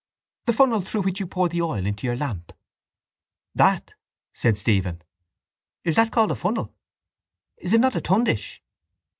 —The funnel through which you pour the oil into your lamp. —That? said Stephen. Is that called a funnel? Is it not a tundish?